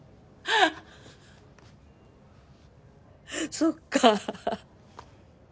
そっか。